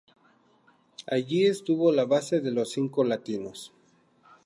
Allí estuvo la base de los Cinco Latinos.